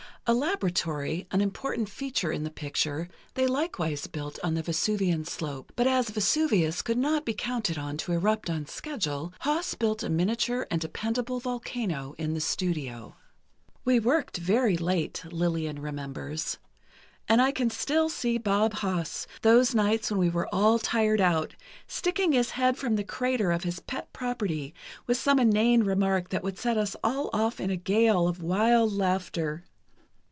A laboratory, an important feature in the picture, they likewise built on the Vesuvian slope, but as Vesuvius could not be counted on to erupt on schedule, Haas built a miniature and dependable volcano in the studio. "We worked very late," Lillian remembers, "and I can still see Bob Haas, those nights when we were all tired out, sticking his head from the crater of his pet property, with some inane remark that would set us all off in a gale of wild laughter.